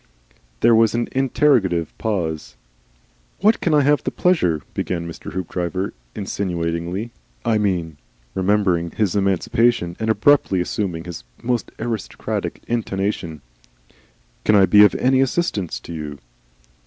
There was an interrogative pause. "What can I have the pleasure " began Mr. Haopdriver, insinuatingly. "I mean" (remembering his emancipation and abruptly assuming his most aristocratic intonation), "can I be of any assistance to you?"